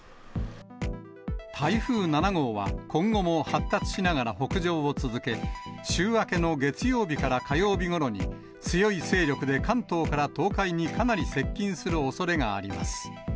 台風７号は今後も発達しながら北上を続け、週明けの月曜日から火曜日ごろに強い勢力で関東から東海にかなり接近するおそれがあります。